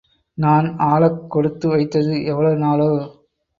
நான் ஆளக் கொடுத்து வைத்தது எவ்வளவு நாளோ?